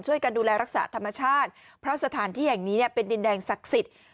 การดูแลรักษาธรรมชาติเพราะสถานที่แห่งนี้เนี่ยเป็นดินแดงศักดิ์สิทธิ์